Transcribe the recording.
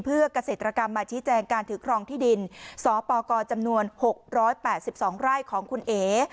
เพื่อกเกษตรกรรมมาชี้แจงการถือครองที่ดินสอปกรจำนวนหกร้อยแปดสิบสองไร่ของคุณเอ๋